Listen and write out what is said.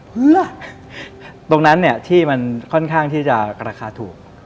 เพื่อตรงนั้นเนี่ยที่มันค่อนข้างที่จะราคาถูก